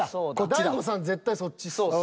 大悟さん絶対そっちっす。